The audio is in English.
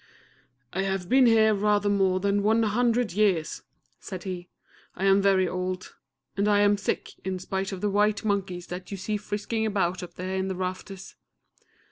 "I have been here rather more than one hundred years," said he. "I am very old, and I am sick, in spite of the white monkeys that you see frisking about up there in the rafters.